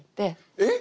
えっ！？